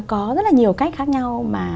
có rất là nhiều cách khác nhau mà